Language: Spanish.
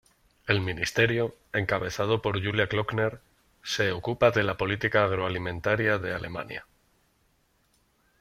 El ministerio, encabezado por Julia Klöckner, se ocupa de la política agroalimentaria de Alemania.